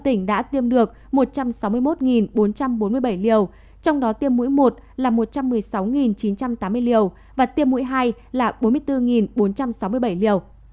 tỉnh đã tiêm được một trăm sáu mươi một bốn trăm bốn mươi bảy liều trong đó tiêm mũi một là một trăm một mươi sáu chín trăm tám mươi liều và tiêm mũi hai là bốn mươi bốn bốn trăm sáu mươi bảy liều